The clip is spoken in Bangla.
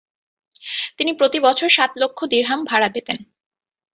তিনি প্রতি বছর সাত লক্ষ দিরহাম ভাড়া পেতেন।